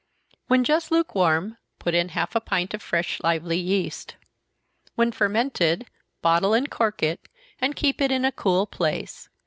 When just lukewarm, put in half a pint of fresh lively yeast. When fermented, bottle and cork it, and keep it in a cool place.